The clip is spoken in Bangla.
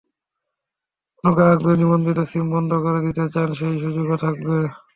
কোনো গ্রাহক যদি নিবন্ধিত সিম বন্ধ করে দিতে চান, সেই সুযোগও থাকবে।